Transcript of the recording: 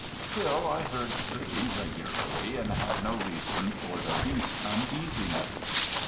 Still I heard pretty regularly, and had no reason for the least uneasiness.